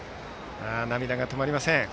涙が止まりません。